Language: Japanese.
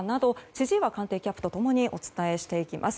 千々岩官邸キャップと共にお伝えしていきます。